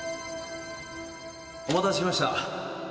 お待たせしました。